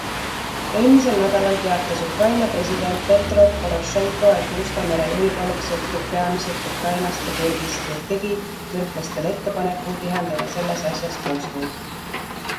Eelmisel nädalal teatas Ukraina president Petro Porošenko, et Musta mere julgeolek sõltub peamiselt Ukrainast ja Türgist ning tegi türklastele ettepaneku tihendada selles asjas koostööd.